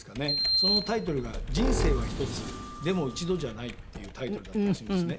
そのタイトルが『人生はひとつでも一度じゃない』っていうタイトルだったらしいんですね。